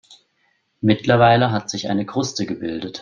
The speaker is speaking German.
Mittlerweile hat sich eine Kruste gebildet.